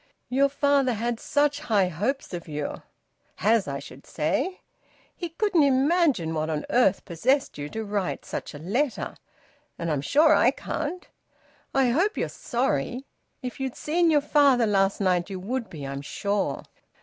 "Your father had such high hopes of you. Has I should say. He couldn't imagine what on earth possessed you to write such a letter. And I'm sure I can't. I hope you're sorry. If you'd seen your father last night you would be, I'm sure."